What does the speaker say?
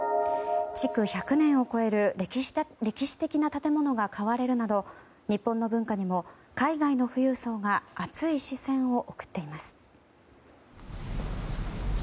築１００年を超える歴史的な建物が買われるなど日本の文化にも海外の富裕層が熱い視線を送っています。